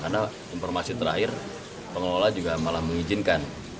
karena informasi terakhir pengelola juga malah mengizinkan